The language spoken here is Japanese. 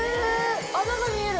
穴が見える。